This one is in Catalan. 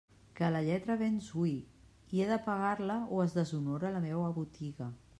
Que la lletra venç hui, i he de pagar-la o es deshonora la meua botiga.